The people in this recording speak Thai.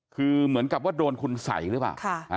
คือเหมือนกับว่าโดนคุณสัยหรือเปล่า